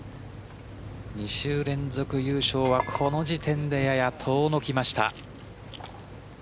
２週連続優勝はこの時点でやや遠のきました。